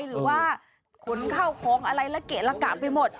หรือว่าขนเข้าของอะไรละเกะละกะไปหมด